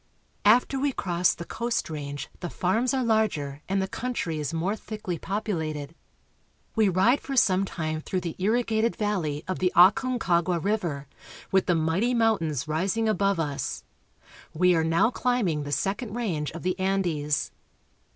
After we cross the coast range the farms are larger and the country is more thickly populated. We ride for some ii8 CHILE. time through the irrigated valley of the Aconcagua river, with the mighty mountains rising above us. We are now climbing the second range of the Andes.